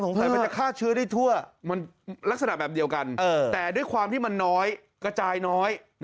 แต่มันจะฆ่าเชื้อได้ทั่วมันลักษณะแบบเดียวกันแต่ด้วยความที่มันน้อยกระจายน้อย